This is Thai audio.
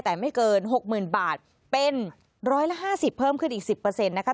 แต่ไม่เกิน๖๐๐๐บาทเป็น๑๕๐เพิ่มขึ้นอีก๑๐นะคะ